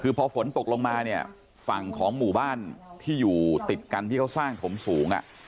คือพอฝนตกลงมาเนี่ยฝั่งของหมู่บ้านที่อยู่ติดกันที่เขาสร้างถมสูง